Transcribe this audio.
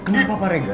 kenapa pak rega